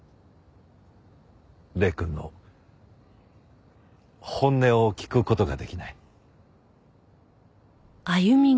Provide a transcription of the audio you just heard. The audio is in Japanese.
礼くんの本音を聞く事ができない。